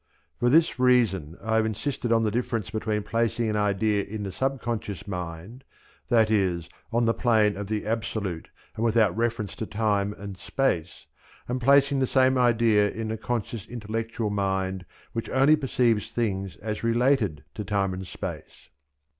For this reason I have insisted on the difference between placing an idea in the sub conscious mind, that is, on the plane of the absolute and without reference to time and space, and placing the same idea in the conscious intellectual mind which only perceives things as related to time and space.